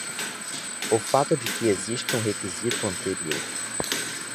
O fato de que existe um requisito anterior.